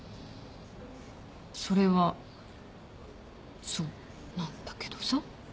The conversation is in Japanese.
それはそうなんだけどさ。